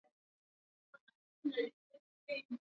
Matunda yamemwagika barabarani